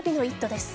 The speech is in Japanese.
です。